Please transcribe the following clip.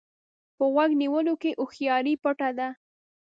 په غوږ نیولو کې هوښياري پټه ده.